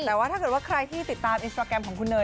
แต่ว่าถ้าเกิดว่าใครที่ติดตามอินสตราแกรมของคุณเนย